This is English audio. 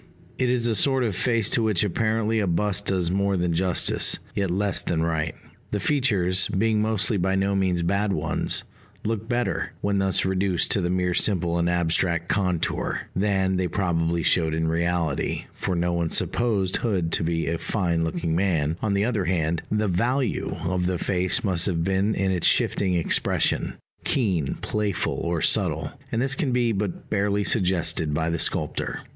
It is a sort of face to which apparently a bust does more than justice, yet less than right. The features, being mostly by no means bad ones, look better, when thus reduced to the mere simple and abstract contour, than they probably showed in reality, for no one supposed Hood to be a fine looking man; on the other hand, the value of the face must have been in its shifting expression keen, playful, or subtle and this can be but barely suggested by the sculptor.